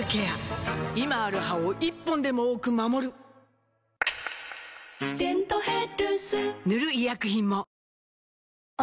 今ある歯を１本でも多く守る「デントヘルス」塗る医薬品も